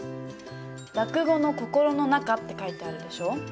「落語の心の中」って書いてあるでしょ？